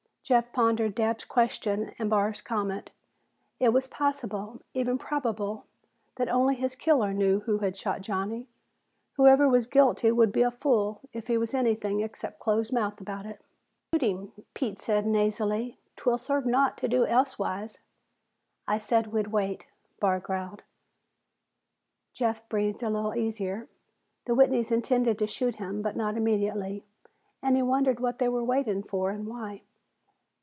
Jeff pondered Dabb's question and Barr's comment. It was possible, even probable, that only his killer knew who had shot Johnny. Whoever was guilty would be a fool if he was anything except close mouthed about it. "Leave us shoot him," Pete said nasally. "'Twill serve naught to do elsewise." "I said we'd wait," Barr growled. Jeff breathed a little easier. The Whitneys intended to shoot him, but not immediately and he wondered what they were waiting for and why.